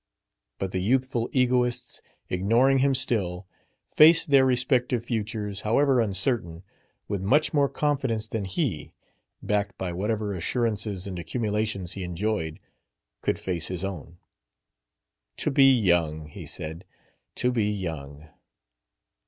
But the youthful egoists, ignoring him still, faced their respective futures, however uncertain, with much more confidence than he, backed by whatever assurances and accumulations he enjoyed, could face his own. "To be young!" he said. "To be young!"